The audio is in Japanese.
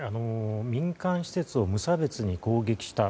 民間施設を無差別に攻撃した。